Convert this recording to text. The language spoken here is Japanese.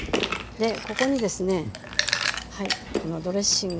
ここにですねはいこのドレッシング。